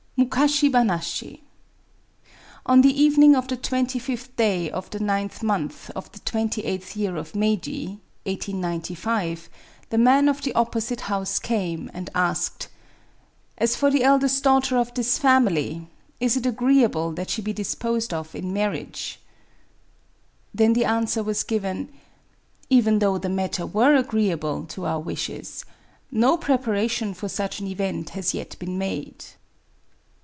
Mukashi Banashi On the evening of the twenty fifth day of the ninth month of the twenty eighth year of Meiji , the man of the opposite house came and asked :—" As for the eldest daughter of this family, is it agreeable that she be disposed of in marriage ?" Digitized by Googk A WOMAN'S DIARY 89 Then the answer was given :—Even though the matter were agreeable [to our wishes^ , no preparation for such an event has yet been made."